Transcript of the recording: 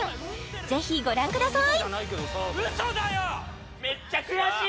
ぜひご覧ください